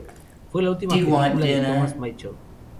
Fue la última película de Thomas Mitchell.